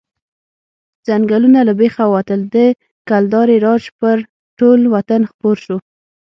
ځنګلونه له بېخه ووتل، د کلدارې راج پر ټول وطن خپور شو.